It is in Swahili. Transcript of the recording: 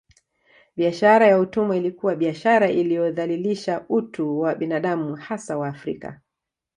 Biashara ya utumwa ilikuwa biashara iliyodhalilisha utu wa binadamu hasa Waafrika